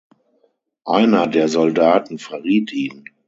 Einer der Soldaten verriet ihn.